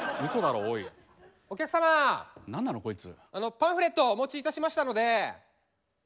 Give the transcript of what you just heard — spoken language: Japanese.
パンフレットお持ちいたしましたので。